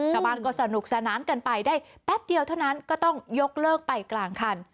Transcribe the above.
ชาวบ้านก็สนุกสนานกันไปได้แป๊บเดียวเท่านั้นก็ต้องยกเลิกไปกลางคัน